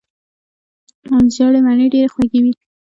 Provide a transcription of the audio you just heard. ژیړې مڼې ډیرې خوږې وي.